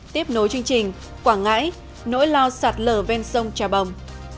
tiếp nối chương trình quảng ngãi nỗi lo sạt lở ven sông trà bồng